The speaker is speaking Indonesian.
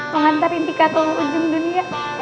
mengantarin tika ke ujung dunia